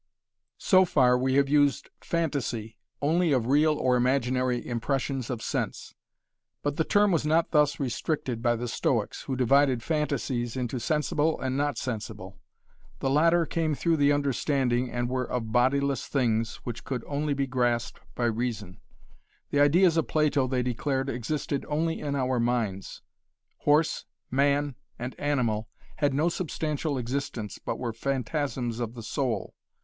So far we have used "phantasy" only of real or imaginary impressions of sense. But the term was not thus restricted by the Stoics, who divided phantasies into sensible and not sensible. The latter came through the understanding and were of bodiless things which could only be grasped by reason. The ideas of Plato they declared existed only in our minds. Horse, man, and animal had no substantial existence but were phantasms of the soul.